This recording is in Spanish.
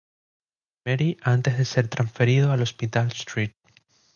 Mary antes de ser transferido al Hospital St.